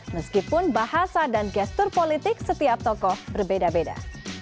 meskipun bahasa dan gestur politik setiap tokoh berbeda beda